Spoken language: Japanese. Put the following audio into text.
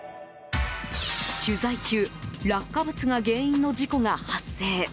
取材中落下物が原因の事故が発生。